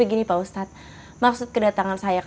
ini pilihan yang bagus ya